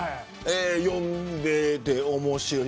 読んでて面白い。